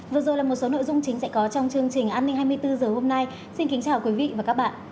vừa rồi là một số nội dung chính sẽ có trong chương trình an ninh hai mươi bốn h hôm nay xin kính chào quý vị và các bạn